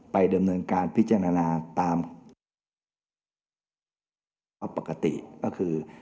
ไปดำเนินการพิจารณาตามปกติก็คือ